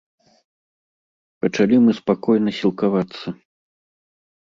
Пачалі мы спакойна сілкавацца.